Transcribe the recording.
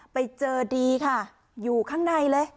ไปเจอดีค่ะอยู่ข้างในเลย